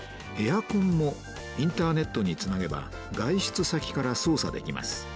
エアコンもインターネットにつなげば外出先から操作できます。